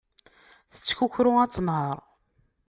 Tettkukru ad tenher.